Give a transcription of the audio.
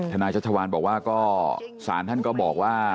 นายชัชวานบอกว่าก็สารท่านก็บอกว่า